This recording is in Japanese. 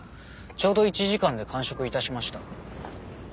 ちょうど１時間で完食致しました。